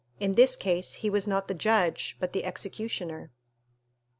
In this case he was not the judge, but the executioner.